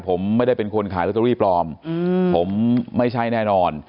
ผมไม่ได้เป็นคนขายลอตเตอรี่ปลอมผมไม่ใช่แน่นอน